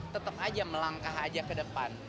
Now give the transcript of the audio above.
tetap aja melangkah aja ke depan